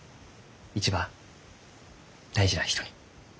一番大事な人に。